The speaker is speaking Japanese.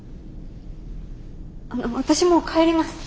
あの私もう帰ります。